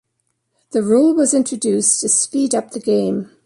The rule was introduced to speed up the game.